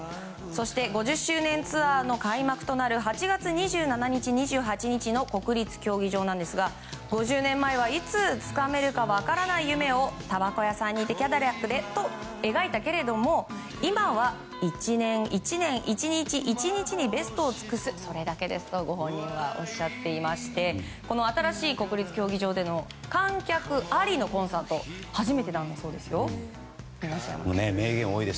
そして、５０周年ツアーの開幕となる８月２７日、２８日の国立競技場ですが５０年前は、いつつかめるか分からない夢をたばこ屋さんにキャデラックと描いたけれども今は１年１年１日１日にベストを尽くすそれだけですとご本人はおっしゃっていまして新しい国立競技場での観客ありのコンサートは初めてなんだそうですよ